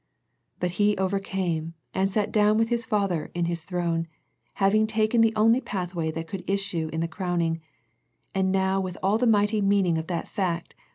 But He overcame, and sat down with His Father in His throne, having taken the only pathway that could issue in the crowning, and now with all the mighty meaning of that fact.